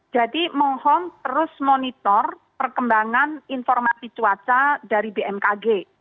jadi mohon terus monitor perkembangan informasi cuaca dari bmkg